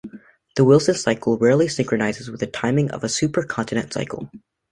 The Wilson cycle rarely synchronizes with the timing of a supercontinent cycle.